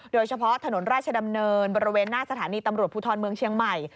โดยเฉพาะถนนราชดำเนินบริเวณหน้าสถานีตำรวจภูทรเมืองเชียงใหม่